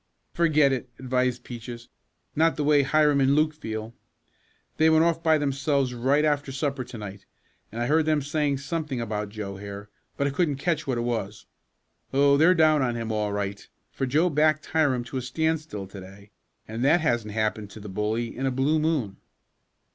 "Forget it!" advised Peaches. "Not the way Hiram and Luke feel. They went off by themselves right after supper to night, and I heard them saying something about Joe here, but I couldn't catch what it was. Oh, they're down on him all right, for Joe backed Hiram to a standstill to day, and that hasn't happened to the bully in a blue moon."